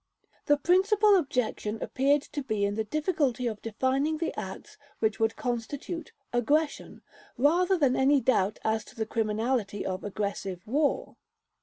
The principal objection appeared to be in the difficulty of defining the acts which would constitute "aggression", rather than any doubt as to the criminality of aggressive war.